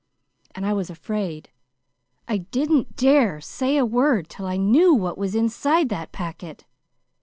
And I was afraid. I didn't dare say a word till I knew what was inside that packet.